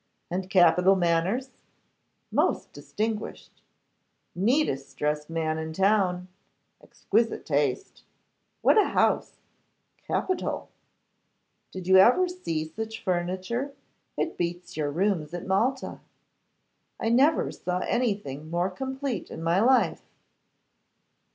'And capital manners?' 'Most distinguished.' 'Neatest dressed man in town!' 'Exquisite taste!' 'What a house!' 'Capital!' 'Did you ever see such furniture? It beats your rooms at Malta.' 'I never saw anything more complete in my life.